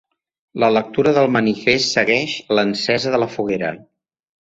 La lectura del manifest segueix l'encesa de la foguera.